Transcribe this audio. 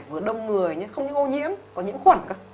với đông người nhé không những ô nhiễm còn nhiễm khuẩn cơ